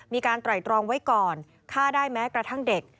ไตรตรองไว้ก่อนฆ่าได้แม้กระทั่งเด็ก